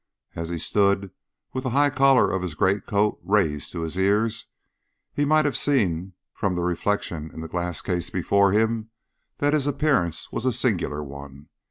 As he stood, with the high collar of his greatcoat raised to his ears, he might have seen from the reflection in the glass case before him that his appearance was a singular one.